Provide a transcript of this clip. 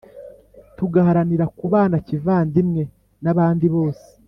tugaharanira kubana kivandimwe nabandibose